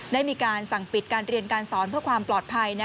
ได้มีการสั่งปิดการเรียนการสอนเพื่อความปลอดภัย